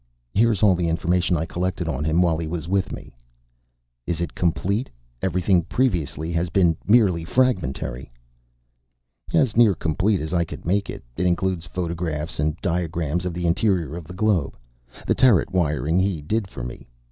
"Here's all the information I collected about him, while he was with me." "Is it complete? Everything previous has been merely fragmentary." "As near complete as I could make it. It includes photographs and diagrams of the interior of the globe. The turret wiring he did for me.